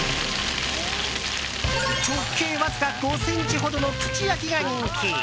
直径わずか５ｃｍほどのぷち焼きが人気。